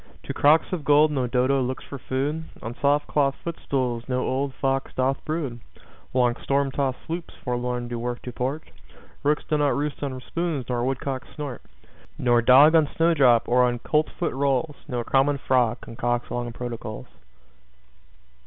To crocks of gold no Dodo looks for food. On soft cloth footstools no old fox doth brood. Long storm tost sloops forlorn do work to port. Rooks do not roost on spoons, nor woodcocks snort Nor dog on snowdrop or on coltsfoot rolls. Nor common frog concocts long protocols.